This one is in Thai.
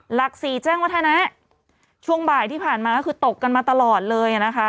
หลักสี่แจ้งวัฒนะช่วงบ่ายที่ผ่านมาก็คือตกกันมาตลอดเลยนะคะ